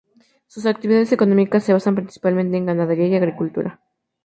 Sus actividades económicas se basan principalmente en ganadería y agricultura.